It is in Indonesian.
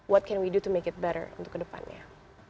what can we do to make it better untuk ke depannya